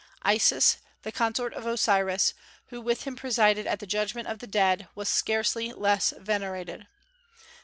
Isis, the consort of Osiris, who with him presided at the judgment of the dead, was scarcely less venerated.